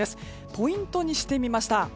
ポイントにしてみました。